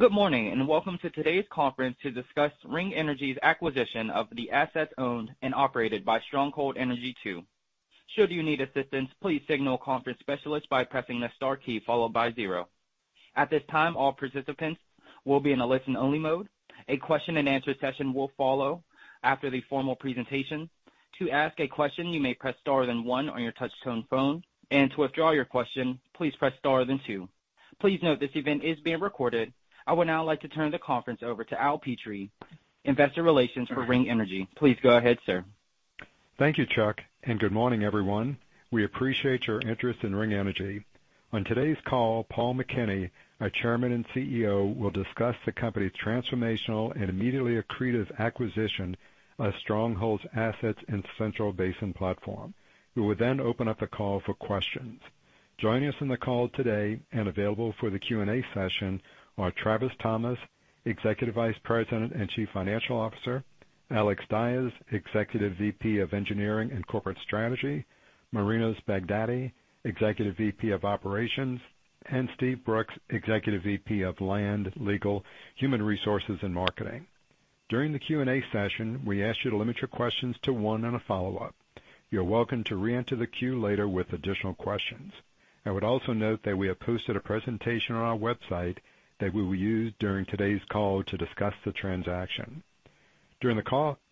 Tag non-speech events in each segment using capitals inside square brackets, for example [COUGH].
Good morning, and welcome to today's conference to discuss Ring Energy's acquisition of the assets owned and operated by Stronghold Energy II. Should you need assistance, please signal conference specialist by pressing the star key followed by zero. At this time, all participants will be in a listen-only mode. A question-and-answer session will follow after the formal presentation. To ask a question, you may press star then one on your touch tone phone, and to withdraw your question, please press star then two. Please note this event is being recorded. I would now like to turn the conference over to Al Petrie, Investor Relations for Ring Energy. Please go ahead, sir. Thank you, Chuck, and good morning, everyone. We appreciate your interest in Ring Energy. On today's call, Paul McKinney, our Chairman and CEO, will discuss the company's transformational and immediately accretive acquisition of Stronghold's assets and Central Basin Platform. We will then open up the call for questions. Joining us on the call today and available for the Q&A session are Travis Thomas, Executive Vice President and Chief Financial Officer, Alex Dyes, Executive VP of Engineering and Corporate Strategy, Marinos Baghdati, Executive VP of Operations, and Steve Brooks, Executive VP of Land, Legal, Human Resources and Marketing. During the Q&A session, we ask you to limit your questions to one and a follow-up. You're welcome to re-enter the queue later with additional questions. I would also note that we have posted a presentation on our website that we will use during today's call to discuss the transaction. During the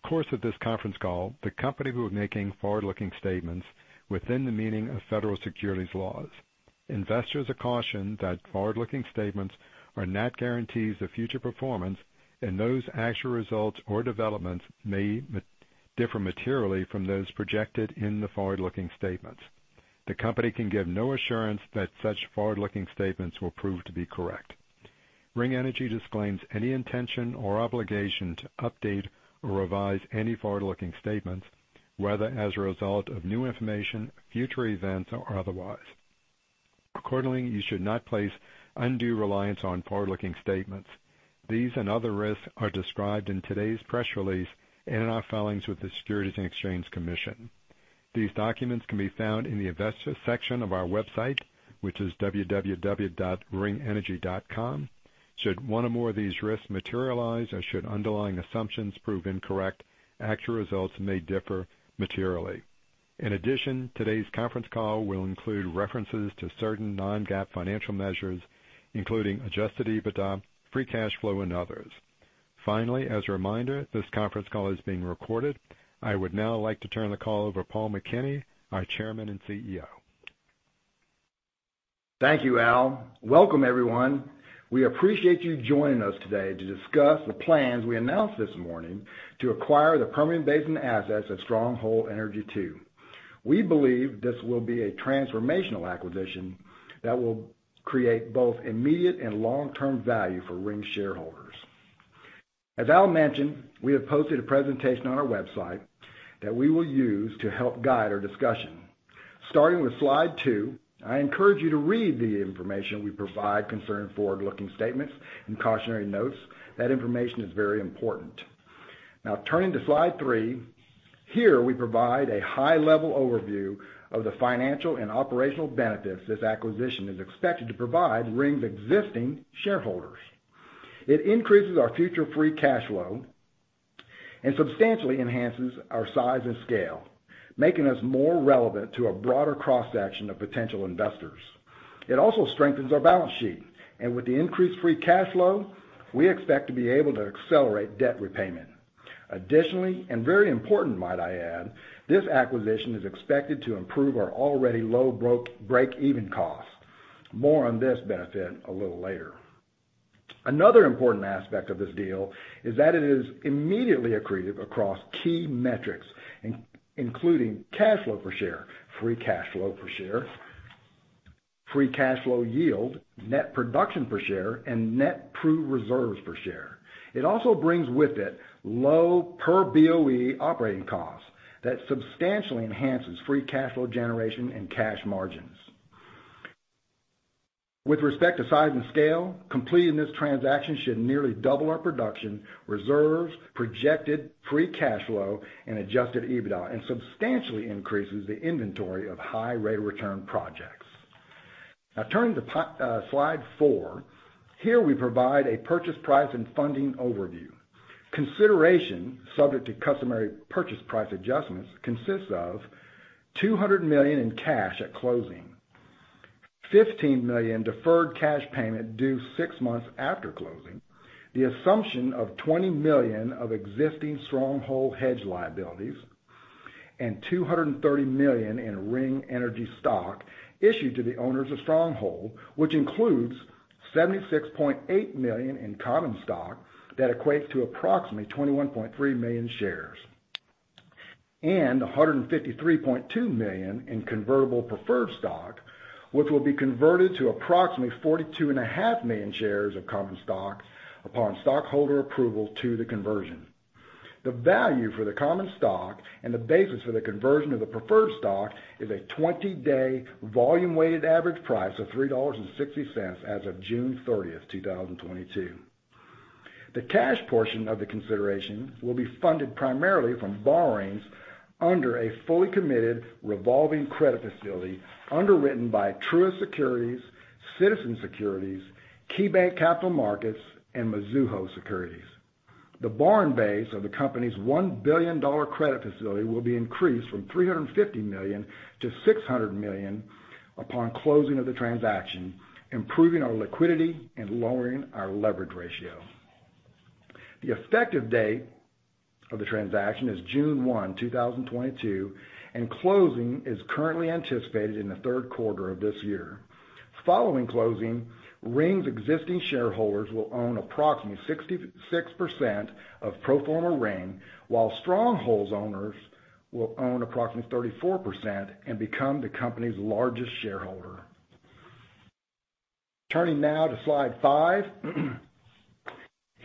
course of this conference call, the company will be making forward-looking statements within the meaning of federal securities laws. Investors are cautioned that forward-looking statements are not guarantees of future performance, and actual results or developments may differ materially from those projected in the forward-looking statements. The company can give no assurance that such forward-looking statements will prove to be correct. Ring Energy disclaims any intention or obligation to update or revise any forward-looking statements, whether as a result of new information, future events, or otherwise. Accordingly, you should not place undue reliance on forward-looking statements. These and other risks are described in today's press release and in our filings with the Securities and Exchange Commission. These documents can be found in the investor section of our website, which is www.ringenergy.com. Should one or more of these risks materialize or should underlying assumptions prove incorrect, actual results may differ materially. In addition, today's conference call will include references to certain non-GAAP financial measures, including adjusted EBITDA, free cash flow, and others. Finally, as a reminder, this conference call is being recorded. I would now like to turn the call over to Paul McKinney, our Chairman and CEO. Thank you, Al. Welcome, everyone. We appreciate you joining us today to discuss the plans we announced this morning to acquire the Permian Basin assets of Stronghold Energy II. We believe this will be a transformational acquisition that will create both immediate and long-term value for Ring shareholders. As Al mentioned, we have posted a presentation on our website that we will use to help guide our discussion. Starting with slide two, I encourage you to read the information we provide concerning forward-looking statements and cautionary notes. That information is very important. Now turning to slide three. Here, we provide a high-level overview of the financial and operational benefits this acquisition is expected to provide Ring's existing shareholders. It increases our future free cash flow and substantially enhances our size and scale, making us more relevant to a broader cross-section of potential investors. It also strengthens our balance sheet, and with the increased free cash flow, we expect to be able to accelerate debt repayment. Additionally, and very important might I add, this acquisition is expected to improve our already low break-even cost. More on this benefit a little later. Another important aspect of this deal is that it is immediately accretive across key metrics, including cash flow per share, free cash flow per share, free cash flow yield, net production per share, and net proved reserves per share. It also brings with it low per BOE operating costs that substantially enhances free cash flow generation and cash margins. With respect to size and scale, completing this transaction should nearly double our production, reserves, projected free cash flow, and adjusted EBITDA, and substantially increases the inventory of high-return projects. Now, turning to slide four. Here, we provide a purchase price and funding overview. Consideration subject to customary purchase price adjustments consists of $200 million in cash at closing, $15 million deferred cash payment due six months after closing. The assumption of $20 million of existing Stronghold hedge liabilities, and $230 million in Ring Energy stock issued to the owners of Stronghold, which includes $76.8 million in common stock that equates to approximately 21.3 million shares, and $153.2 million in convertible preferred stock, which will be converted to approximately 42.5 million shares of common stock upon stockholder approval to the conversion. The value for the common stock and the basis for the conversion of the preferred stock is a 20-day volume weighted average price of $3.60 as of June 30th, 2022. The cash portion of the consideration will be funded primarily from borrowings under a fully committed revolving credit facility underwritten by Truist Securities, Citizens Securities, KeyBanc Capital Markets, and Mizuho Securities. The borrowing base of the company's $1 billion credit facility will be increased from $350 million to $600 million upon closing of the transaction, improving our liquidity and lowering our leverage ratio. The effective date of the transaction is June 1, 2022, and closing is currently anticipated in the third quarter of this year. Following closing, Ring's existing shareholders will own approximately 66% of pro forma Ring, while Stronghold's owners will own approximately 34% and become the company's largest shareholder. Turning now to slide five.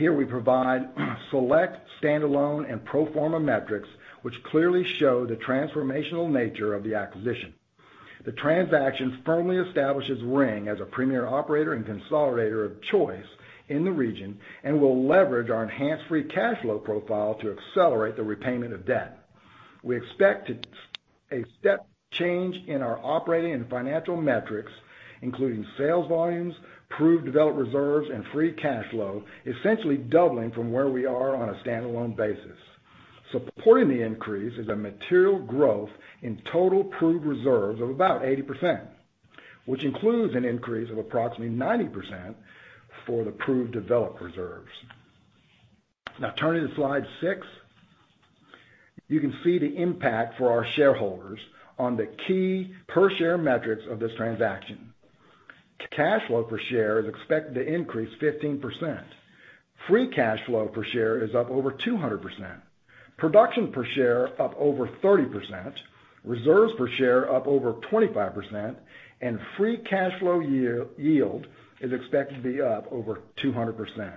Here we provide select standalone and pro forma metrics which clearly show the transformational nature of the acquisition. The transaction firmly establishes Ring as a premier operator and consolidator of choice in the region and will leverage our enhanced free cash flow profile to accelerate the repayment of debt. We expect a step change in our operating and financial metrics, including sales volumes, proved developed reserves, and free cash flow, essentially doubling from where we are on a standalone basis. Supporting the increase is a material growth in total proved reserves of about 80%, which includes an increase of approximately 90% for the proved developed reserves. Now turning to slide six. You can see the impact for our shareholders on the key per-share metrics of this transaction. Cash flow per share is expected to increase 15%. Free cash flow per share is up over 200%. Production per share up over 30%, reserves per share up over 25%, and free cash flow yield is expected to be up over 200%.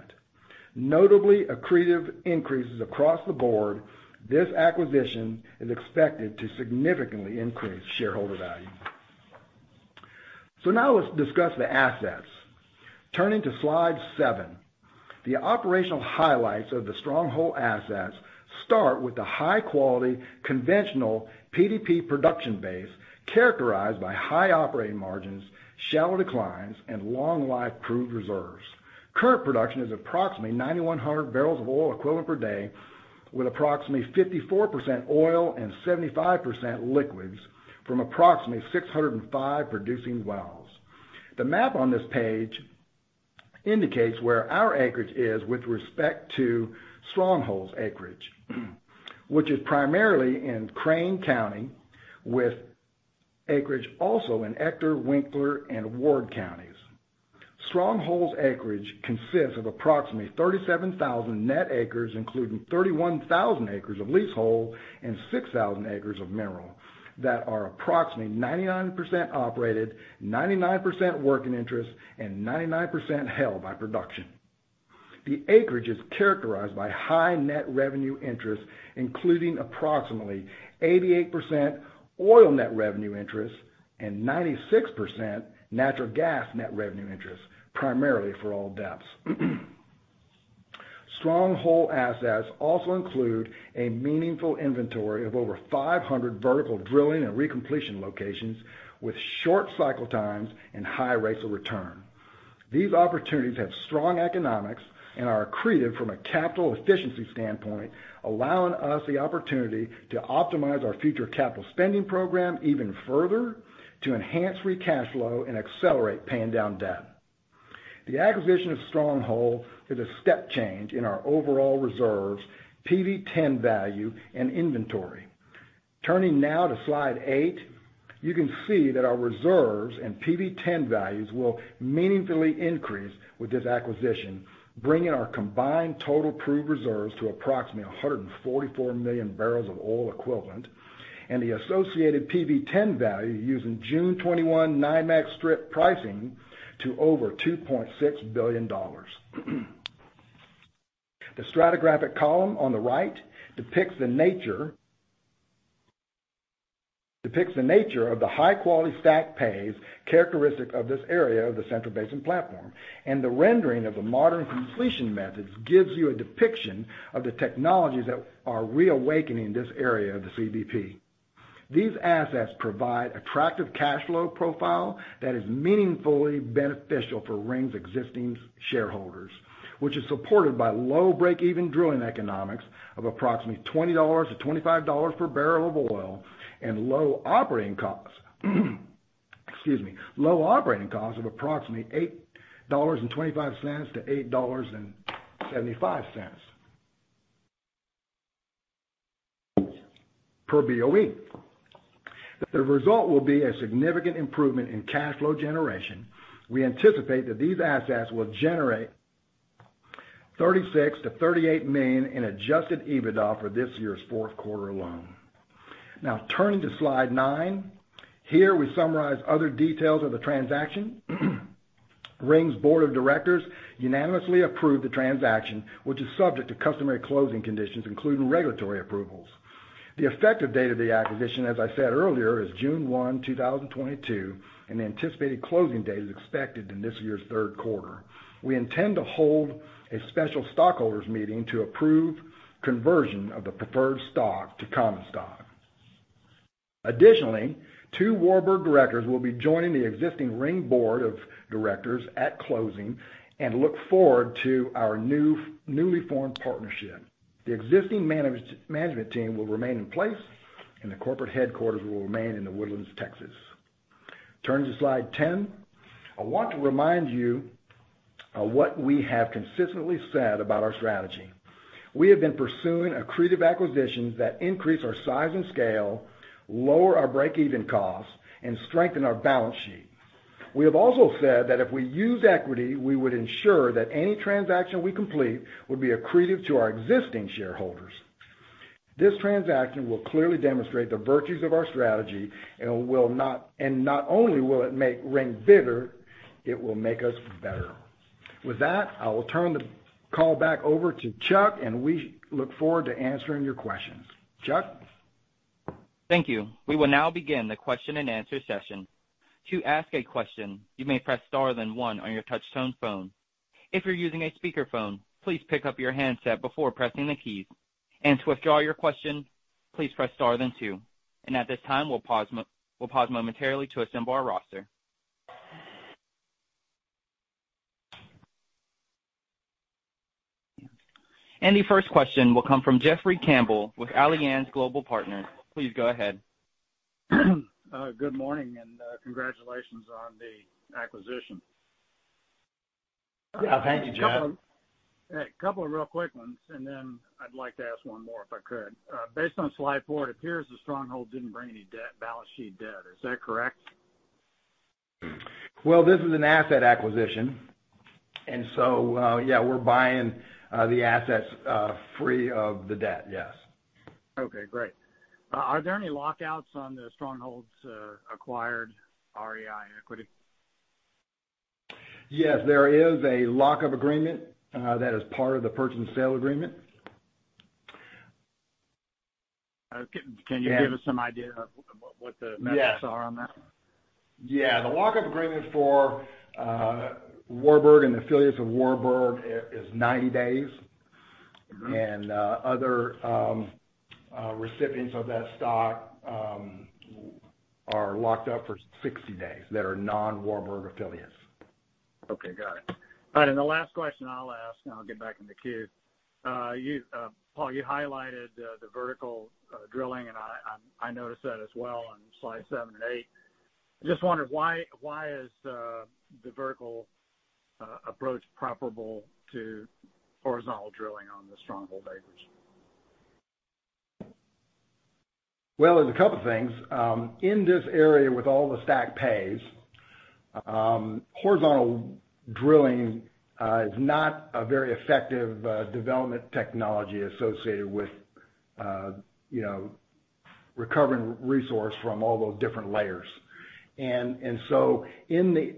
Notably accretive increases across the board, this acquisition is expected to significantly increase shareholder value. Now let's discuss the assets. Turning to slide seven. The operational highlights of the Stronghold assets start with the high-quality conventional PDP production base characterized by high operating margins, shallow declines, and long-life proved reserves. Current production is approximately 9,100 bbl of oil equivalent per day, with approximately 54% oil and 75% liquids from approximately 605 producing wells. The map on this page indicates where our acreage is with respect to Stronghold's acreage, which is primarily in Crane County, with acreage also in Ector, Winkler, and Ward counties. Stronghold's acreage consists of approximately 37,000 net acres, including 31,000 acres of leasehold and 6,000 acres of mineral, that are approximately 99% operated, 99% working interest, and 99% held by production. The acreage is characterized by high net revenue interest, including approximately 88% oil net revenue interest and 96% natural gas net revenue interest, primarily for all depths. Stronghold assets also include a meaningful inventory of over 500 vertical drilling and recompletion locations with short cycle times and high rates of return. These opportunities have strong economics and are accretive from a capital efficiency standpoint, allowing us the opportunity to optimize our future capital spending program even further to enhance free cash flow and accelerate paying down debt. The acquisition of Stronghold is a step change in our overall reserves, PV-10 value and inventory. Turning now to slide eight, you can see that our reserves and PV-10 values will meaningfully increase with this acquisition, bringing our combined total proved reserves to approximately 144 MMbbl of oil equivalent and the associated PV-10 value using June 2021 NYMEX strip pricing to over $2.6 billion. The stratigraphic column on the right depicts the nature of the high-quality stack pays characteristic of this area of the Central Basin Platform, and the rendering of the modern completion methods gives you a depiction of the technologies that are reawakening this area of the CBP. These assets provide attractive cash flow profile that is meaningfully beneficial for Ring's existing shareholders, which is supported by low break-even drilling economics of approximately $20-$25 per barrel of oil. Excuse me. Low operating costs of approximately $8.25-$8.75 per barrel of oil. The result will be a significant improvement in cash flow generation. We anticipate that these assets will generate $36 million-$38 million in adjusted EBITDA for this year's fourth quarter alone. Now turning to slide nine. Here we summarize other details of the transaction. Ring's board of directors unanimously approved the transaction, which is subject to customary closing conditions, including regulatory approvals. The effective date of the acquisition, as I said earlier, is June 1, 2022, and the anticipated closing date is expected in this year's third quarter. We intend to hold a special stockholders meeting to approve conversion of the preferred stock to common stock. Additionally, two Warburg directors will be joining the existing Ring board of directors at closing and look forward to our newly formed partnership. The existing management team will remain in place, and the corporate headquarters will remain in The Woodlands, Texas. Turning to slide 10. I want to remind you of what we have consistently said about our strategy. We have been pursuing accretive acquisitions that increase our size and scale, lower our break-even costs, and strengthen our balance sheet. We have also said that if we use equity, we would ensure that any transaction we complete would be accretive to our existing shareholders. This transaction will clearly demonstrate the virtues of our strategy, and not only will it make Ring bigger, it will make us better. With that, I will turn the call back over to Chuck, and we look forward to answering your questions. Chuck? Thank you. We will now begin the question-and-answer session. To ask a question, you may press star then one on your touch-tone phone. If you're using a speakerphone, please pick up your handset before pressing the keys. To withdraw your question, please press star then two. At this time, we'll pause momentarily to assemble our roster. The first question will come from Jeffrey Campbell with Alliance Global Partners. Please go ahead. Good morning, and congratulations on the acquisition. Thank you... [CROSSTALK] Jeff. A couple of real quick ones, and then I'd like to ask one more if I could. Based on slide four, it appears that Stronghold didn't bring any debt, balance sheet debt. Is that correct? Well, this is an asset acquisition, and so, yeah, we're buying the assets free of the debt, yes. Okay, great. Are there any lockouts on the Stronghold's acquired REI equity? Yes, there is a lock-up agreement that is part of the purchase and sale agreement. Can you give us some idea of what the metrics are on that? Yeah. The lock-up agreement for Warburg and affiliates of Warburg is 90 days. Mm-hmm. Other recipients of that stock are locked up for 60 days that are non-Warburg affiliates. Okay, got it. All right, the last question I'll ask, and I'll get back in the queue. You, Paul, you highlighted the vertical drilling, and I noticed that as well on slide seven and eight. Just wondered why the vertical approach is preferable to horizontal drilling on the Stronghold acreage? Well, there's a couple things. In this area with all the stack pays, horizontal drilling is not a very effective development technology associated with, you know, recovering resource from all those different layers. In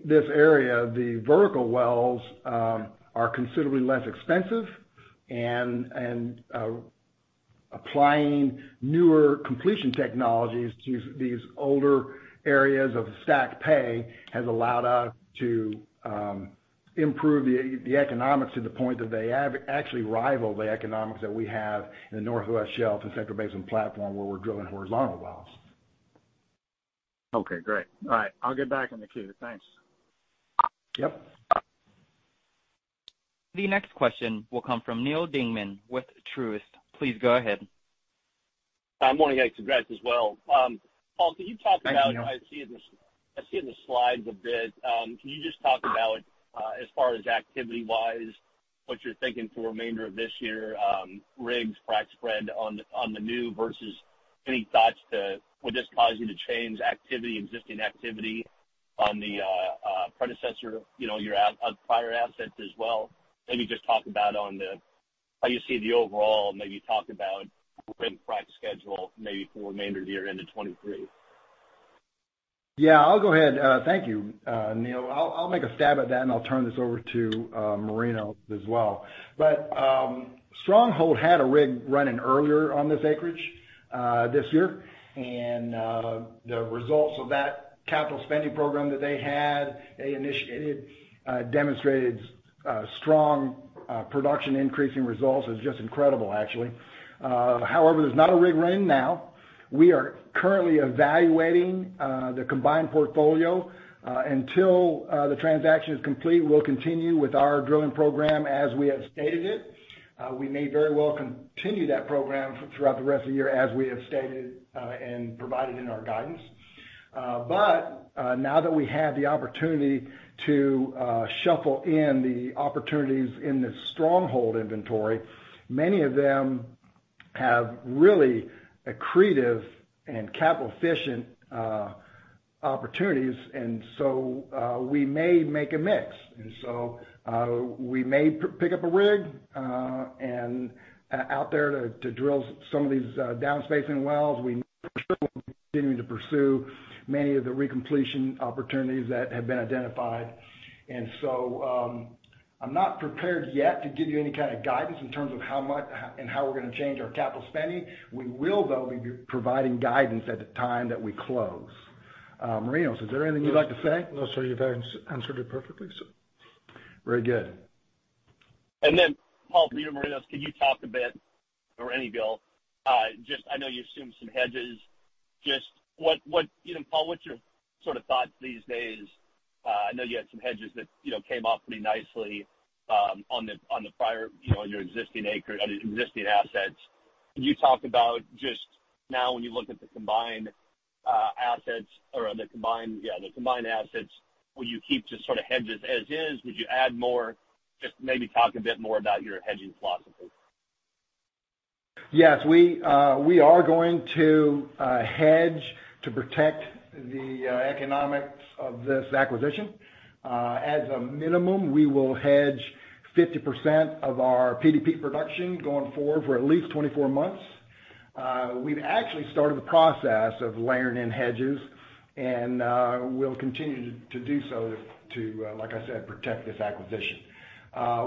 this area, the vertical wells are considerably less expensive and applying newer completion technologies to these older areas of stack pay has allowed us to improve the economics to the point that they actually rival the economics that we have in the Northwest Shelf and Central Basin Platform where we're drilling horizontal wells. Okay, great. All right; I'll get back in the queue. Thanks. Yep. The next question will come from Neal Dingmann with Truist. Please go ahead. Morning, guys. Congrats as well. Paul, can you talk about... [CROSSTALK] Thanks, Neal. I see in the slides a bit, can you just talk about as far as activity-wise, what you're thinking for the remainder of this year, rigs, frac spread on the new versus any thoughts to would this cause you to change activity, existing activity on the predecessor, you know, your as-acquired assets as well? Maybe just talk about how you see the overall, maybe talk about rig frac schedule maybe for the remainder of the year into 2023. Yeah, I'll go ahead. Thank you, Neil. I'll make a stab at that, and I'll turn this over to Marino as well. Stronghold had a rig running earlier on this acreage this year. The results of that capital spending program that they had, they initiated, demonstrated strong production increasing results. It was just incredible actually. However, there's not a rig running now. We are currently evaluating the combined portfolio. Until the transaction is complete, we'll continue with our drilling program as we have stated it. We may very well continue that program throughout the rest of the year as we have stated and provided in our guidance. Now that we have the opportunity to shuffle in the opportunities in the Stronghold inventory, many of them have really accretive and capital efficient opportunities. We may make a mix. We may pick up a rig and out there to drill some of these down spacing wells. We certainly will continue to pursue many of the recompletion opportunities that have been identified. I'm not prepared yet to give you any kind of guidance in terms of how much and how we're gonna change our capital spending. We will, though, be providing guidance at the time that we close. Marinos, is there anything you'd like to say? No, sir. You've answered it perfectly, so. Very good. Paul, Peter, Marinos, can you talk a bit, or any of you all, just I know you assumed some hedges. Just what you know, Paul, what's your sort of thoughts these days? I know you had some hedges that, you know, came off pretty nicely on the prior, you know, on your existing assets. Can you talk about just now when you look at the combined assets or the combined assets, will you keep just sort of hedges as is? Would you add more? Just maybe talk a bit more about your hedging philosophy. Yes. We are going to hedge to protect the economics of this acquisition. As a minimum, we will hedge 50% of our PDP production going forward for at least 24 months. We've actually started the process of layering in hedges, and we'll continue to, like I said, protect this acquisition.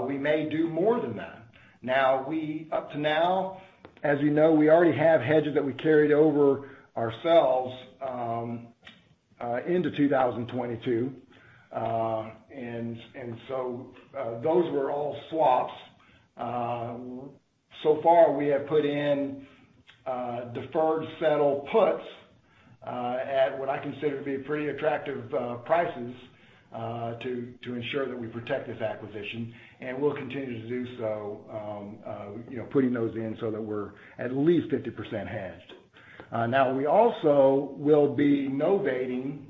We may do more than that. Now, up to now, as you know, we already have hedges that we carried over ourselves into 2022. Those were all swaps. So far, we have put in deferred settlement puts at what I consider to be pretty attractive prices to ensure that we protect this acquisition, and we'll continue to do so, you know, putting those in so that we're at least 50% hedged. Now we also will be novating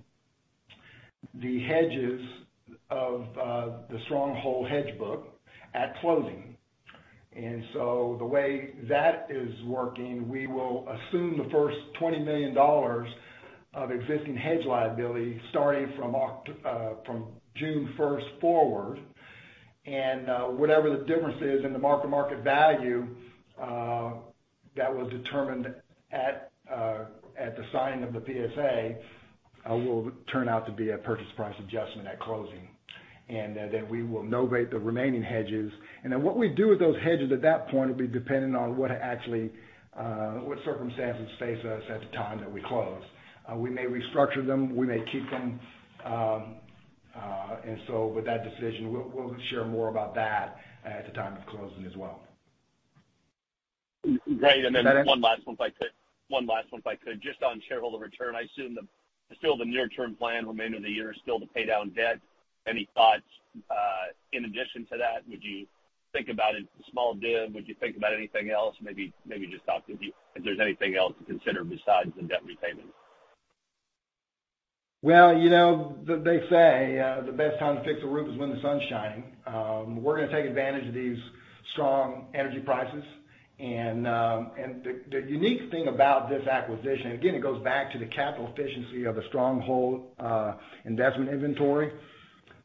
the hedges of the Stronghold hedge book at closing. The way that is working, we will assume the first $20 million of existing hedge liability starting from June first forward. Whatever the difference is in the mark-to-market value that was determined at the signing of the PSA will turn out to be a purchase price adjustment at closing. Then we will novate the remaining hedges. What we do with those hedges at that point will be dependent on what actually what circumstances face us at the time that we close. We may restructure them. We may keep them. With that decision, we'll share more about that at the time of closing as well. Great... [CROSSTALK] Is that it? One last one, if I could. Just on shareholder return, I assume still the near-term plan remainder of the year is still to pay down debt. Any thoughts in addition to that? Would you think about a small div? Would you think about anything else? Maybe just talk to if there's anything else to consider besides the debt repayment. Well, you know, they say the best time to fix a roof is when the sun's shining. We're gonna take advantage of these strong energy prices. The unique thing about this acquisition, again, it goes back to the capital efficiency of the Stronghold investment inventory.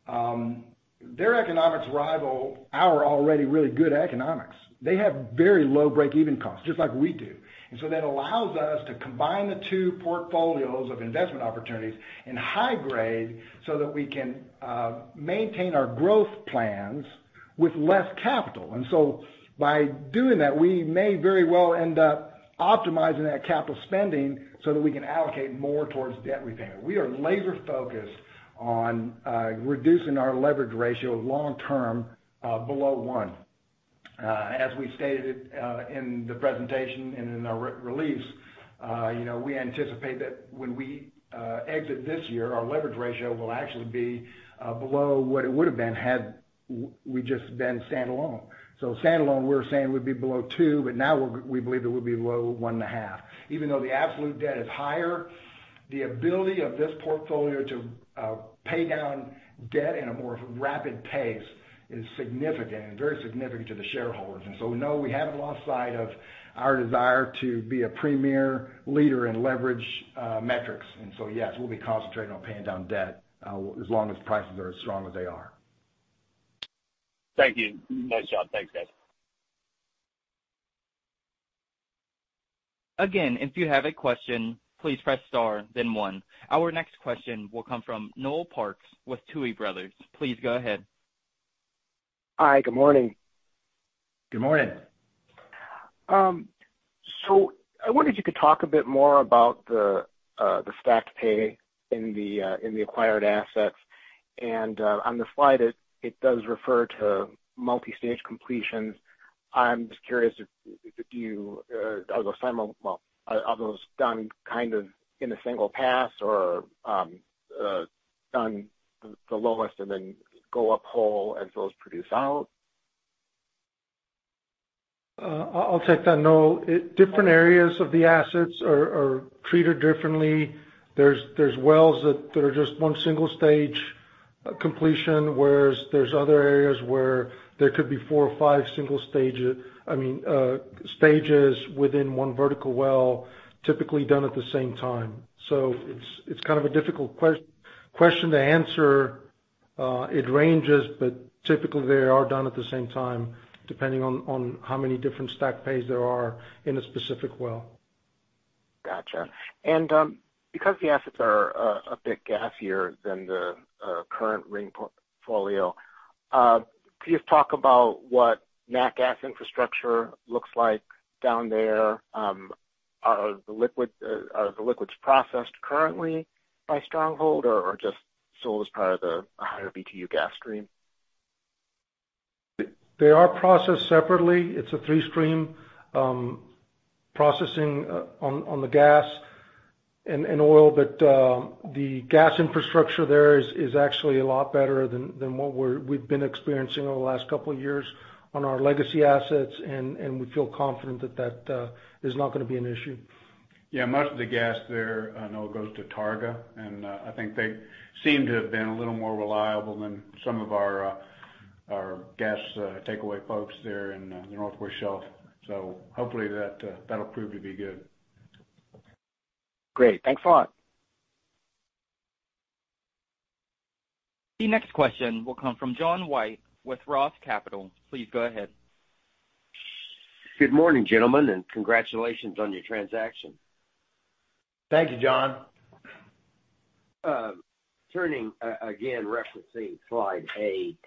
Their economics rival our already really good economics. They have very low break-even costs, just like we do. That allows us to combine the two portfolios of investment opportunities and high grade so that we can maintain our growth plans with less capital. By doing that, we may very well end up optimizing that capital spending so that we can allocate more towards debt repayment. We are laser focused on reducing our leverage ratio long term below one. As we stated in the presentation and in our press release, you know, we anticipate that when we exit this year, our leverage ratio will actually be below what it would have been had we just been standalone. Standalone, we're saying would be below 2%, but now we believe it will be below 1.5%. Even though the absolute debt is higher, the ability of this portfolio to pay down debt in a more rapid pace is significant and very significant to the shareholders. No, we haven't lost sight of our desire to be a premier leader in leverage metrics. Yes, we'll be concentrating on paying down debt as long as prices are as strong as they are. Thank you. Nice job. Thanks, guys. Again, if you have a question, please press star then one. Our next question will come from Noel Parks with Tuohy Brothers. Please go ahead. Hi. Good morning. Good morning. I wondered if you could talk a bit more about the stack pay in the acquired assets. On the slide, it does refer to multistage completions. I'm just curious if those are done kind of in a single pass or done the lowest and then go uphole as those produce out? I'll take that, Noel. Different areas of the assets are treated differently. There's wells that are just one single stage completion, whereas there's other areas where there could be four or five single stages, I mean, stages within one vertical well, typically done at the same time. It's kind of a difficult question to answer. It ranges, but typically, they are done at the same time, depending on how many different stack pays there are in a specific well. Gotcha. Because the assets are a bit gassier than the current Ring portfolio, could you talk about what nat gas infrastructure looks like down there? Are the liquids processed currently by Stronghold or just sold as part of the higher BTU gas stream? They are processed separately. It's a three-stream processing on the gas and oil, but the gas infrastructure there is actually a lot better than what we've been experiencing over the last couple of years on our legacy assets, and we feel confident that is not gonna be an issue. Yeah. Most of the gas there I know goes to Targa, and I think they seem to have been a little more reliable than some of our our gas takeaway folks there in the Northwest Shelf. Hopefully that'll prove to be good. Great. Thanks a lot. The next question will come from John White with ROTH Capital. Please go ahead. Good morning, gentlemen, and congratulations on your transaction. Thank you, John. Turning again, referencing slide eight,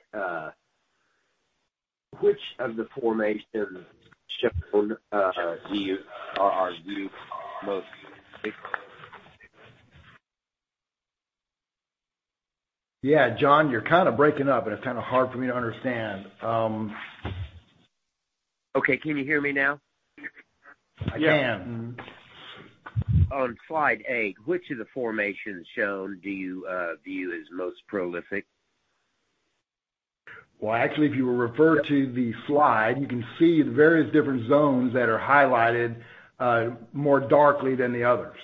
which of the formations shown are you most? Yeah. John, you're kind of breaking up, and it's kind of hard for me to understand. Okay. Can you hear me now? I can. On slide eight, which of the formations shown do you view as most prolific? Well, actually, if you refer to the slide, you can see the various different zones that are highlighted more darkly than the others.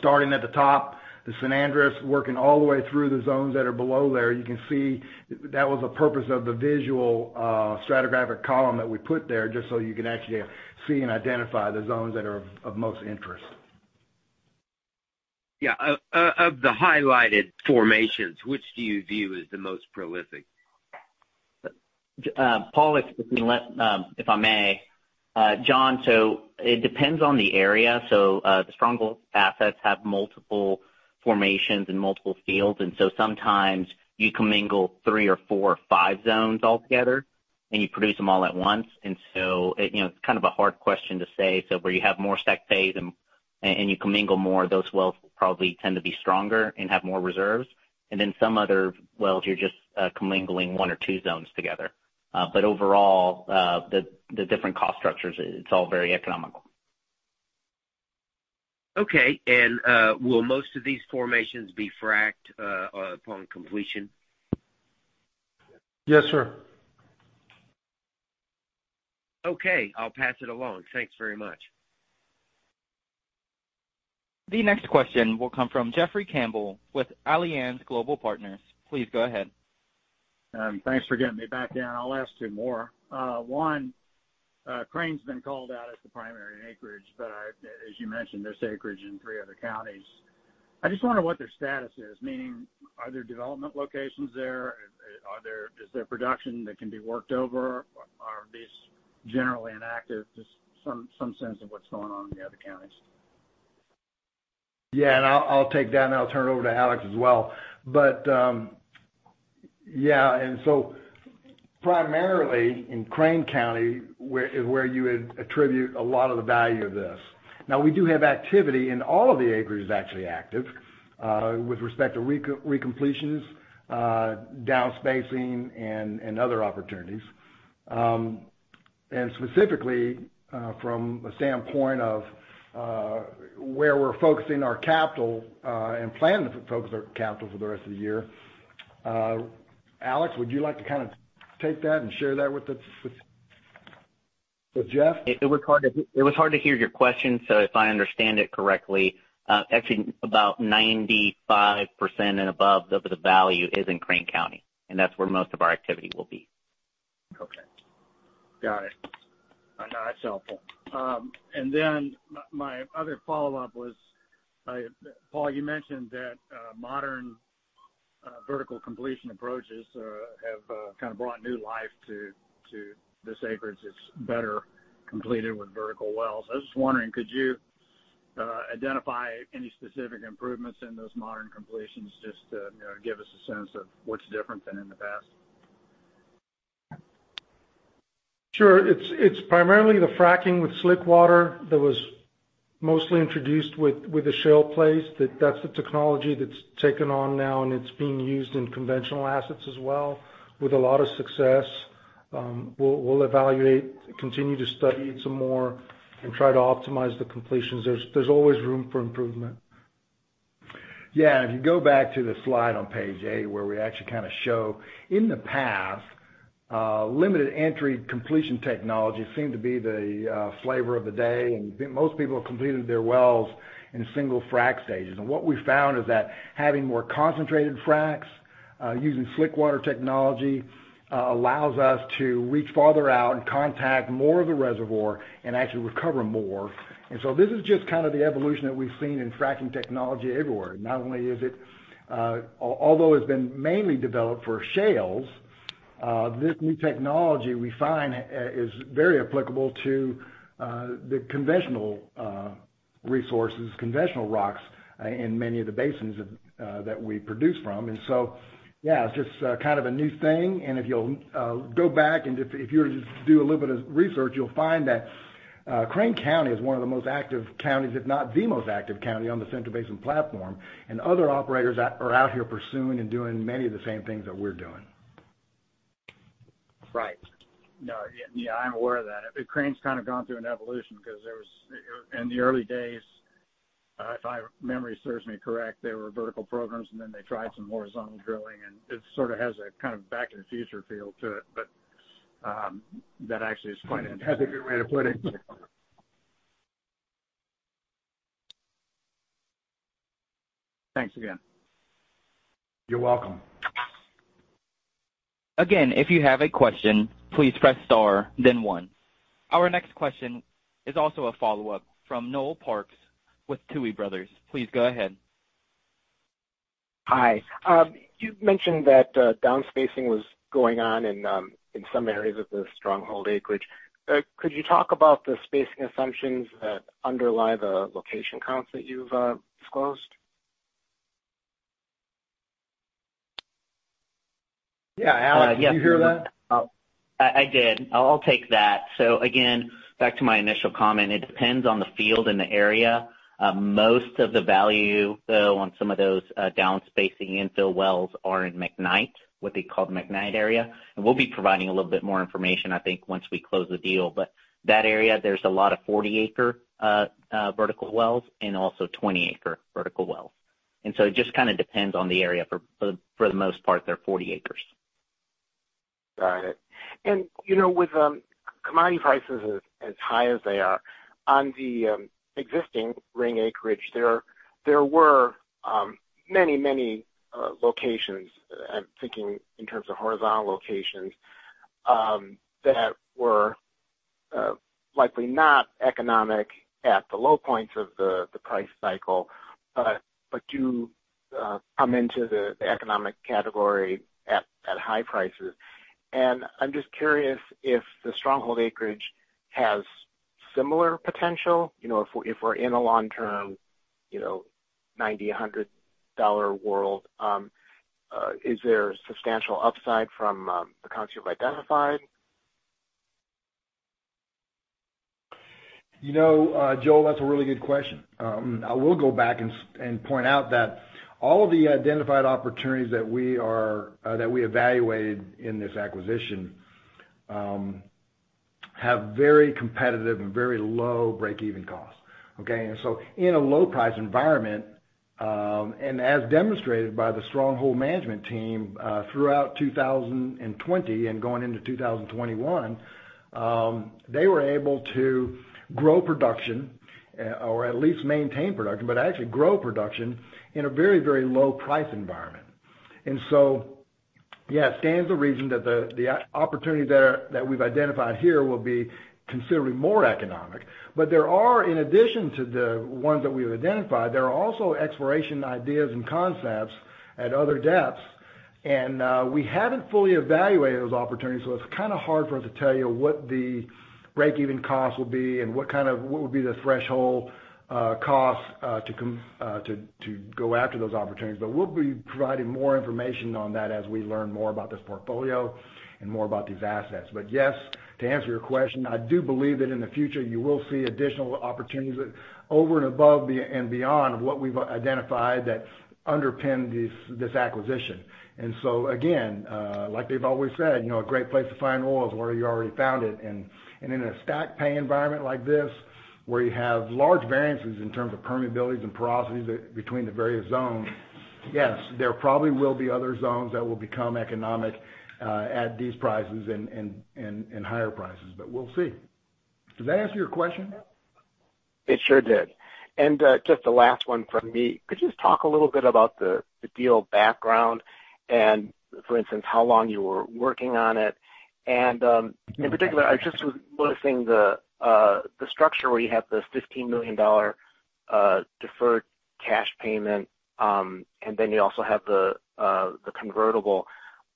Starting at the top, the San Andres, working all the way through the zones that are below there, you can see that was the purpose of the visual stratigraphic column that we put there, just so you can actually see and identify the zones that are of most interest. Yeah. Of the highlighted formations, which do you view as the most prolific? Paul, if I may. John, it depends on the area. The Stronghold assets have multiple formations and multiple fields, and sometimes you commingle three or four or five zones altogether, and you produce them all at once. You know, it's kind of a hard question to say. Where you have more stacked pays and you commingle more, those wells probably tend to be stronger and have more reserves. Some other wells, you're just commingling one or two zones together. Overall, the different cost structures, it's all very economical. Okay. Will most of these formations be fracked upon completion? Yes, sir. Okay. I'll pass it along. Thanks very much. The next question will come from Jeffrey Campbell with Alliance Global Partners. Please go ahead. Thanks for getting me back in. I'll ask two more. One, Crane's been called out as the primary acreage, but as you mentioned, there's acreage in three other counties. I just wonder what their status is, meaning are there development locations there? Is there production that can be worked over? Are these generally inactive? Just some sense of what's going on in the other counties. Yeah, I'll take that, and I'll turn it over to Alex as well. Yeah. Primarily in Crane County, where you would attribute a lot of the value of this. Now, we do have activity, and all of the acreage is actually active with respect to recompletions, downspacing and other opportunities. Specifically, from a standpoint of where we're focusing our capital and plan to focus our capital for the rest of the year, Alex, would you like to kind of take that and share that with Jeff? It was hard to hear your question, so if I understand it correctly, actually about 95% and above of the value is in Crane County, and that's where most of our activity will be. Okay. Got it. No, that's helpful. And then my other follow-up was, Paul, you mentioned that modern vertical completion approaches have kind of brought new life to this acreage. It's better completed with vertical wells. I was just wondering, could you identify any specific improvements in those modern completions just to, you know, give us a sense of what's different than in the past? Sure. It's primarily the fracking with slick water that was mostly introduced with the shale plays. That's the technology that's taken on now, and it's being used in conventional assets as well with a lot of success. We'll evaluate, continue to study it some more and try to optimize the completions. There's always room for improvement. Yeah. If you go back to the slide on page eight, where we actually kind of show, in the past, limited entry completion technology seemed to be the flavor of the day, and most people completed their wells in single frack stages. What we found is that having more concentrated fracks, using slick water technology, allows us to reach farther out and contact more of the reservoir and actually recover more. This is just kind of the evolution that we've seen in fracking technology everywhere. Not only is it, although it's been mainly developed for shales, this new technology we find is very applicable to the conventional resources, conventional rocks in many of the basins that we produce from. Yeah, it's just kind of a new thing. If you'll go back and if you were to just do a little bit of research, you'll find that Crane County is one of the most active counties, if not the most active county on the Central Basin Platform, and other operators are out here pursuing and doing many of the same things that we're doing. Right. No, yeah, I'm aware of that. Crane's kind of gone through an evolution cause there was, in the early days, if my memory serves me correctly, there were vertical programs, and then they tried some horizontal drilling, and it sort of has a kind of back in the future feel to it. That actually is quite interesting. That's a good way to put it. Thanks again. You're welcome. Again, if you have a question, please press star then one. Our next question is also a follow-up from Noel Parks with Tuohy Brothers. Please go ahead. Hi. You've mentioned that down spacing was going on in some areas of the Stronghold acreage. Could you talk about the spacing assumptions that underlie the location counts that you've disclosed? Yeah. Alex, did you hear that? I did. I'll take that. Again, back to my initial comment, it depends on the field and the area. Most of the value, though, on some of those downspacing infill wells are in McKnight, what they call the McKnight area. We'll be providing a little bit more information, I think, once we close the deal. That area, there's a lot of 40-acre vertical wells and also 20-acre vertical wells. It just kind of depends on the area. For the most part, they're 40 acres. Got it. You know, with commodity prices as high as they are on the existing Ring acreage, there were many locations, I'm thinking in terms of horizontal locations, that were likely not economic at the low points of the price cycle but do come into the economic category at high prices. I'm just curious if the Stronghold acreage has similar potential. You know, if we're in a long-term $90-$100 world, is there substantial upside from the counts you've identified? You know, Noel, that's a really good question. I will go back and point out that all of the identified opportunities that we evaluated in this acquisition have very competitive and very low break-even costs. Okay? In a low-price environment, and as demonstrated by the Stronghold management team, throughout 2020 and going into 2021, they were able to grow production, or at least maintain production, but actually grow production in a very, very low price environment. Yeah, it stands to reason that the opportunities there that we've identified here will be considerably more economic. There are, in addition to the ones that we've identified, there are also exploration ideas and concepts at other depths, and we haven't fully evaluated those opportunities, so it's kind of hard for us to tell you what the break-even cost will be and what would be the threshold cost to go after those opportunities. We'll be providing more information on that as we learn more about this portfolio and more about these assets. Yes, to answer your question, I do believe that in the future you will see additional opportunities over and above and beyond what we've identified that underpin this acquisition. Again, like they've always said, you know, a great place to find oil is where you already found it. In a stack pay environment like this, where you have large variances in terms of permeabilities and porosities between the various zones, yes, there probably will be other zones that will become economic at these prices and higher prices, but we'll see. Does that answer your question? It sure did. Just the last one from me. Could you just talk a little bit about the deal background and for instance, how long you were working on it? In particular, I just was noticing the structure where you have this $15 million deferred cash payment, and then you also have the convertible.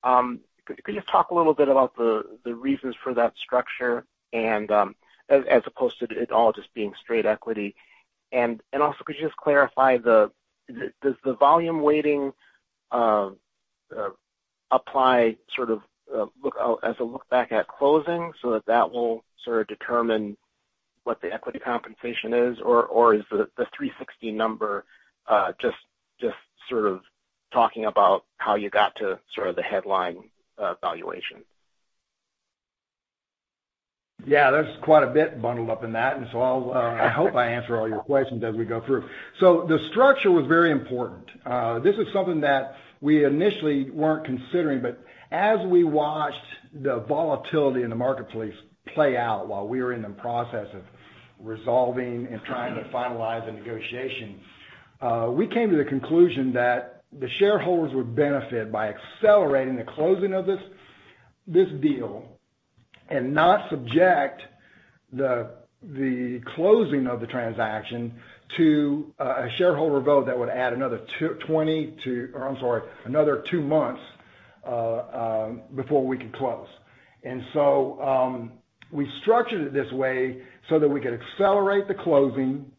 Could you just talk a little bit about the reasons for that structure and as opposed to it all just being straight equity? Also could you just clarify the. Does the volume weighting apply sort of as a look back at closing so that that will sort of determine what the equity compensation is, or is the 360 number just sort of talking about how you got to sort of the headline valuation? Yeah, there's quite a bit bundled up in that. I'll hope I answer all your questions as we go through. The structure was very important. This is something that we initially weren't considering, but as we watched the volatility in the marketplace play out while we were in the process of resolving and trying to finalize the negotiation, we came to the conclusion that the shareholders would benefit by accelerating the closing of this deal and not subject the closing of the transaction to a shareholder vote that would add another two months before we could close. We structured it this way so that we could accelerate the closing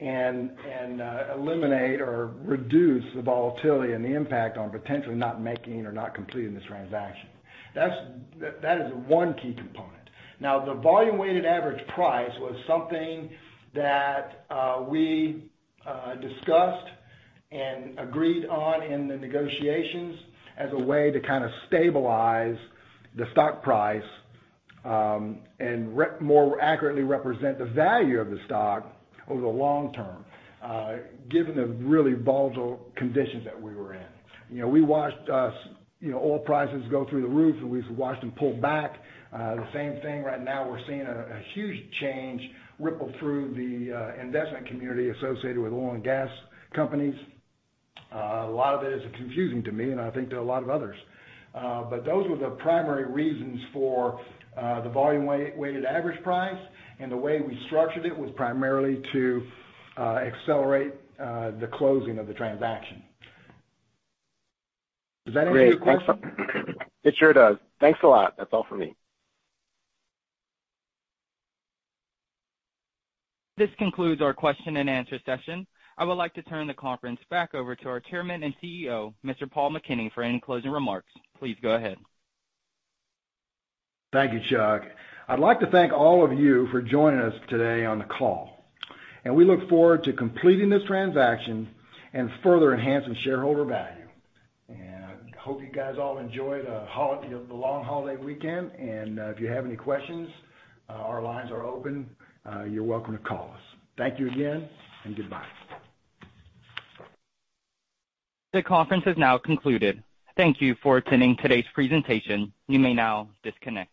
and eliminate or reduce the volatility and the impact on potentially not making or not completing this transaction. That is one key component. Now, the volume weighted average price was something that we discussed and agreed on in the negotiations as a way to kind of stabilize the stock price, and more accurately represent the value of the stock over the long term, given the really volatile conditions that we were in. You know, we watched, you know, oil prices go through the roof, and we've watched them pull back. The same thing right now, we're seeing a huge change ripple through the investment community associated with oil and gas companies. A lot of it is confusing to me, and I think to a lot of others. Those were the primary reasons for the volume weighted average price. The way we structured it was primarily to accelerate the closing of the transaction. Does that answer your question? Great... [CROSSTALK] It sure does. Thanks a lot. That's all for me. This concludes our question-and-answer session. I would like to turn the conference back over to our Chairman and CEO, Mr. Paul McKinney, for any closing remarks. Please go ahead. Thank you, Chuck. I'd like to thank all of you for joining us today on the call. We look forward to completing this transaction and further enhancing shareholder value. Hope you guys all enjoy the long holiday weekend. If you have any questions, our lines are open. You're welcome to call us. Thank you again, and goodbye. The conference is now concluded. Thank you for attending today's presentation. You may now disconnect.